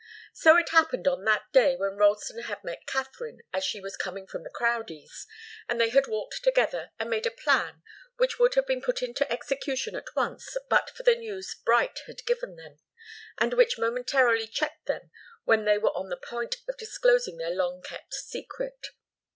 So it had happened on that day when Ralston had met Katharine as she was coming from the Crowdies', and they had walked together, and made a plan which would have been put into execution at once, but for the news Bright had given them, and which momentarily checked them when they were on the point of disclosing their long kept secret.